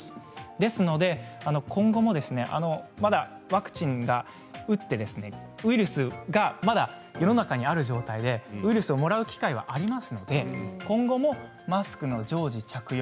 ですので今後もまだワクチンを打ってウイルスがまだ世の中にある状態でウイルスをもらう機会がありますので今後もマスクの常時着用